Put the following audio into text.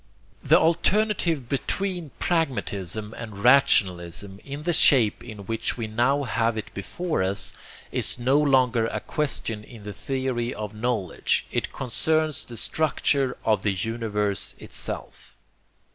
THE ALTERNATIVE BETWEEN PRAGMATISM AND RATIONALISM, IN THE SHAPE IN WHICH WE NOW HAVE IT BEFORE US, IS NO LONGER A QUESTION IN THE THEORY OF KNOWLEDGE, IT CONCERNS THE STRUCTURE OF THE UNIVERSE ITSELF.